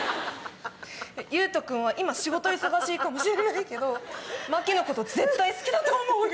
ユウト君は今仕事忙しいかもしれないけど麻貴のこと絶対好きだと思うよ。